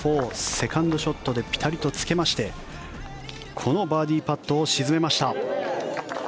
セカンドショットでピタリとつけましてこのバーディーパットを沈めました。